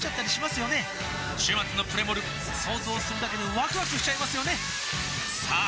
週末のプレモル想像するだけでワクワクしちゃいますよねさあ